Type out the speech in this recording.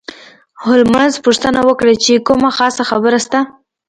هولمز پوښتنه وکړه چې کومه خاصه خبره شته.